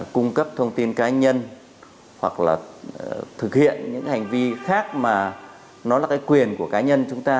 cung cấp thông tin cá nhân hoặc là thực hiện những hành vi khác mà nó là cái quyền của cá nhân chúng ta